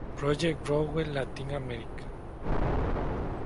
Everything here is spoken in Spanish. Project Runway Latin America